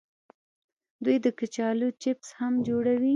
دوی د کچالو چپس هم جوړوي.